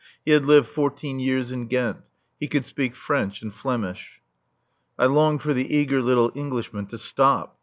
He had lived fourteen years in Ghent. He could speak French and Flemish. I longed for the eager little Englishman to stop.